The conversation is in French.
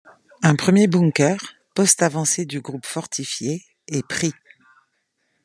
Un premier bunker, poste avancé du groupe fortifié, est pris.